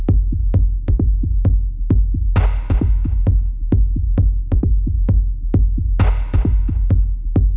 aku tulus mau temenan sama kamu